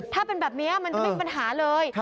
ถ้าเป็นแบบนี้มันจะไม่มีปัญหาเลย